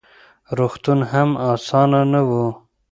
روغتون هم اسان نه و: